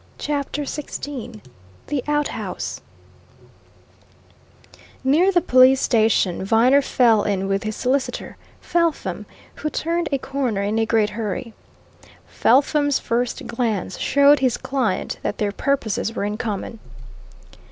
CHAPTER XVI THE OUTHOUSE Near the police station Viner fell in with his solicitor, Felpham, who turned a corner in a great hurry. Felpham's first glance showed his client that their purposes were in common.